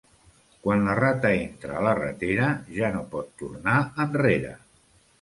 Quan la rata entra a la ratera, ja no pot tornar enrere.